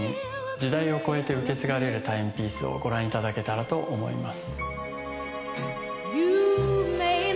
時代を超えて受け継がれるタイムピースをご覧いただけたらと思います。